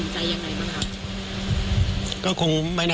ตอนนี้คิดอะไรตัดสินใจยังไงบ้างครับ